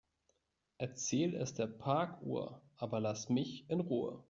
Erzähl es der Parkuhr, aber lass mich in Ruhe.